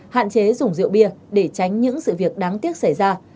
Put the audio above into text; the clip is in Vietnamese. hạn chế dùng rượu bia để tránh những sự việc đáng tiếc xảy ra